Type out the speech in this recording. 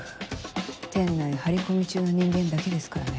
店内張り込み中の人間だけですからね。